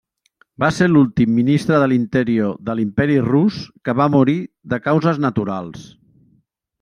Va ser l'últim Ministre de l'Interior de l’Imperi rus que va morir de causes naturals.